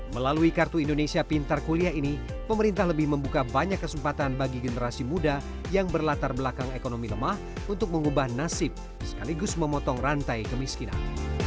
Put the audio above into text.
melalui kartu indonesia pintar kuliah ini pemerintah lebih membuka banyak kesempatan bagi generasi muda yang berlatar belakang ekonomi lemah untuk mengubah nasib sekaligus memotong rantai kemiskinan